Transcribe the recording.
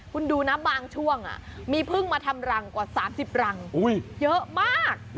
คุณดูนะบางช่วงมีพึ่งมาทำรังกว่า๓๐รังเยอะมาก